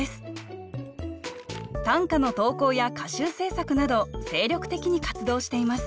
短歌の投稿や歌集制作など精力的に活動しています